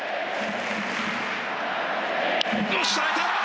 よし捉えた！